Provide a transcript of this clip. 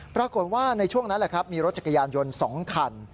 ปรากฏว่าในช่วงนั้นมีรถจักรยานยนต์๒คัน